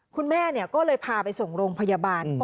คุณแม่ก็เลยพาไปส่งโรงพยาบาล